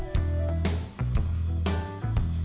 oh mau polish